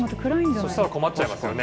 そしたら困っちゃいますよね。